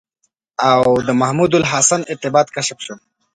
او د محمودالحسن ارتباط کشف شو.